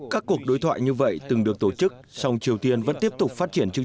các cuộc đối thoại như vậy từng được tổ chức song triều tiên vẫn tiếp tục phát triển chương